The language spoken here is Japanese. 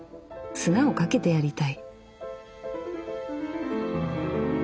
砂をかけてやりたい」。